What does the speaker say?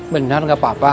benar tidak apa apa